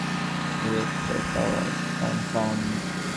Reactor power confirmed.